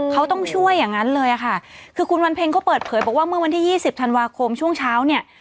เขาต้องช่วยอย่างนั้นเลยค่ะคือคุณวันเพ็งเขาเปิดเผยบอกว่าเมื่อวันที่ยี่สิบธันวาคมช่วงเช้าเนี่ย